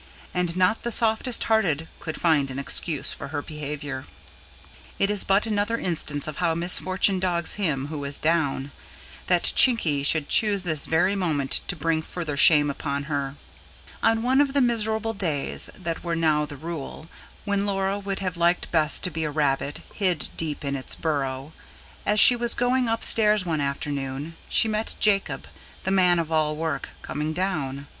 And not the softest hearted could find an excuse for her behaviour. It was but another instance of how misfortune dogs him who is down, that Chinky should choose this very moment to bring further shame upon her. On one of the miserable days that were now the rule, when Laura would have liked best to be a rabbit, hid deep in its burrow; as she was going upstairs one afternoon, she met Jacob, the man of all work, coming down.